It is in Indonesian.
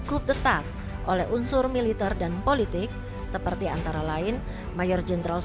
klub detak oleh unsur militer dan politik seperti antara lain mayor jenderal